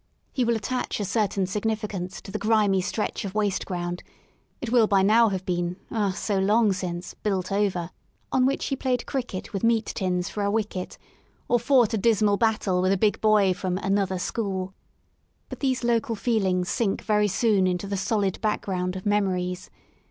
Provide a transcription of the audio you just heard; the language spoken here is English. He will attach a certain significance to the grimy stretch of waste ground "it will by now have been, ah» so long since built over — on which he played cricket with meat tins for a wicketj or fought a dismal battle with a big boy from another school," But these local feelings sink very soon into the solid background of memories.